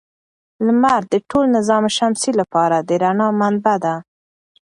لمر د ټول نظام شمسي لپاره د رڼا منبع ده.